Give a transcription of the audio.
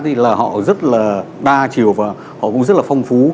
thì là họ rất là đa chiều và họ cũng rất là phong phú